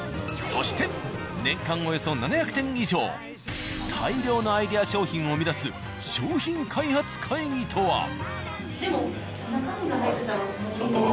そして年間およそ７００点以上大量のアイデア商品を生み出す商品開発会議とは。